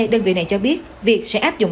đơn vị này cho biết việc sẽ áp dụng